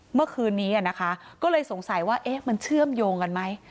เมื่อคืนนี้นะคะก็เลยสงสัยว่ามันเชื่อมโยงกันไหม